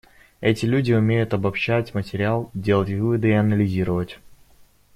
Эти люди умеют обобщать материал, делать выводы и анализировать.